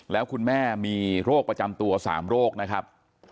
แล้วคุณแม่มีโรคประจำตัว๓โรคนะครับ